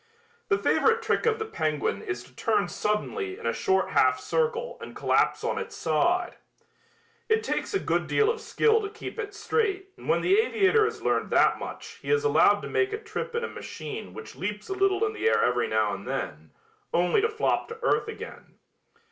The favorite trick of the penguin is to turn suddenly in a short half circle and collapse on its side. It takes a good deal of skill to keep it straight and when the aviator has learned that much he is allowed to make a trip in a machine which leaps a little in the air every now and then, only to flop to earth again.